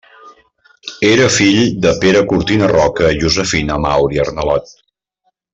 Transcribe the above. Era fill de Pere Cortina Roca i Josefina Mauri Arnalot.